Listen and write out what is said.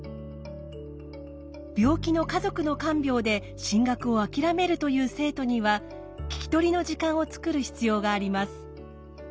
病気の家族の看病で進学をあきらめるという生徒には聞き取りの時間を作る必要があります。